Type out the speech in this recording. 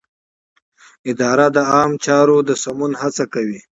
اداره د عامه چارو د سمون هڅه کوي.